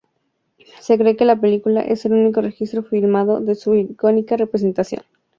Se cree que la película es el único registro filmado de su icónica representación.